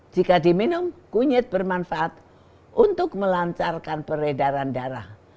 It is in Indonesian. jika diminum kunyit bermanfaat untuk melancarkan peredaran darah